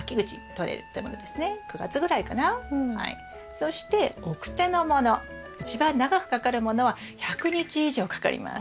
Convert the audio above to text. そして晩生のもの一番長くかかるものは１００日以上かかります。